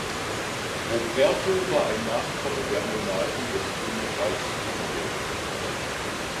Roberto war ein Nachkomme der Monarchen des Königreichs Kongo.